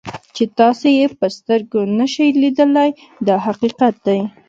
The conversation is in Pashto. چې تاسو یې په سترګو نشئ لیدلی دا حقیقت دی.